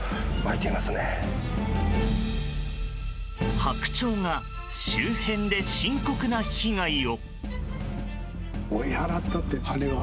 ハクチョウが周辺で深刻な被害を。